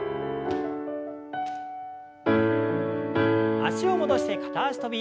脚を戻して片脚跳び。